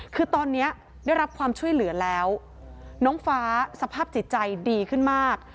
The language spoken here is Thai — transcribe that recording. คือตอนนี้ได้รับความช่วยเหลือแล้วน้องฟ้าสภาพจิตใจดีขึ้นมาก